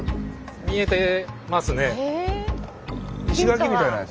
見えてますね。